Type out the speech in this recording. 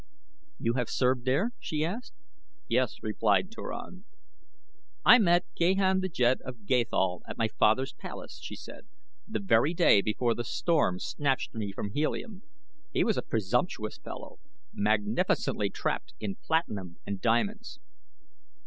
"You have served there?" she asked. "Yes," replied Turan. "I met Gahan the Jed of Gathol at my father's palace," she said, "the very day before the storm snatched me from Helium he was a presumptuous fellow, magnificently trapped in platinum and diamonds.